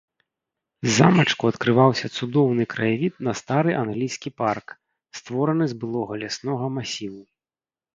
З замачку адкрываўся цудоўны краявід на стары англійскі парк, створаны з былога ляснога масіву.